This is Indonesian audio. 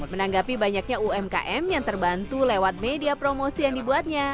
menanggapi banyaknya umkm yang terbantu lewat media promosi yang dibuatnya